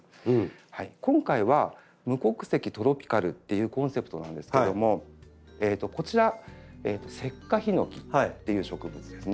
今回は「無国籍トロピカル」っていうコンセプトなんですけどもこちら「石化ヒノキ」っていう植物ですね。